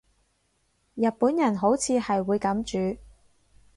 日本人好似係會噉煮